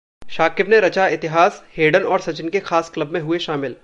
शाकिब ने रचा इतिहास, हेडन और सचिन के खास क्लब में हुए शामिल